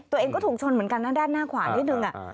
ตัวเองก็ถูกชนเหมือนกันนะด้านหน้าขวานิดนึง